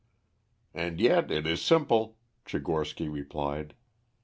"And yet it is simple," Tchigorsky replied.